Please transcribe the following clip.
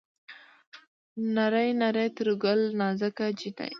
نرۍ نرى تر ګل نازکه جينۍ